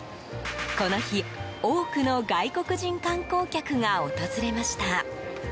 この日、多くの外国人観光客が訪れました。